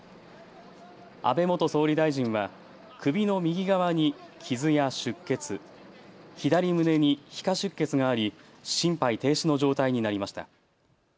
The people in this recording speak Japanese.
安倍元総理大臣は首の右側に傷や出血、左胸に皮下出血があり心肺停止の状態になりました。